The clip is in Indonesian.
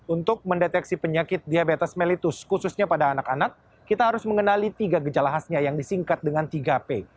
untuk mendeteksi penyakit diabetes mellitus khususnya pada anak anak kita harus mengenali tiga gejala khasnya yang disingkat dengan tiga p